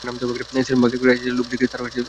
সিম্বাকে আইসক্রিমের লোভ দেখিয়ে তারা নিয়ে গেছে।